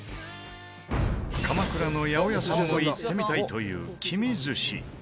鎌倉の八百屋さんも行ってみたいというきみ寿司。